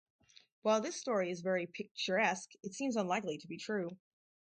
While this story is very picturesque, it seems unlikely to be true.